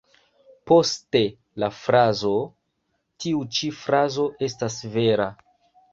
Poste la frazo ""Tiu ĉi frazo estas vera.